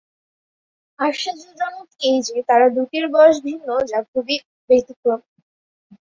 আশ্চর্যজনক এই যে, তারা দুটির বয়স ভিন্ন যা খুবই ব্যতিক্রমী।